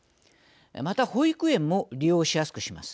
また保育園も利用しやすくします。